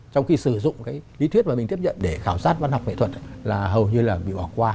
trong khi sử dụng cái lý thuyết mà mình tiếp nhận để khảo sát văn học nghệ thuật là hầu như là bị bỏ qua